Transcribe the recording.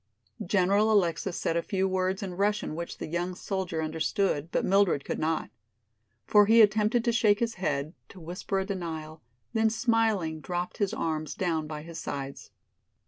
General Alexis said a few words in Russian which the young soldier understood, but Mildred could not. For he attempted to shake his head, to whisper a denial, then smiling dropped his arms down by his sides.